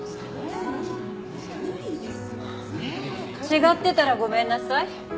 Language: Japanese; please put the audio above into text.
違ってたらごめんなさい。